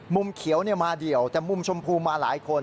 เขียวมาเดี่ยวแต่มุมชมพูมาหลายคน